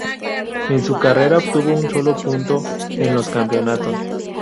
En su carrera obtuvo un solo punto en los campeonatos.